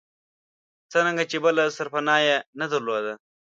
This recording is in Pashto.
څرنګه چې بله سرپناه یې نه درلوده.